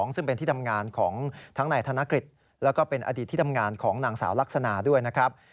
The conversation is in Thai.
ซึ่งเป็นที่ทำงานของทั้งนายธนกฤษแล้วก็เป็นอดีตที่ทำงานของนางสาวลักษณะด้วยนะครับ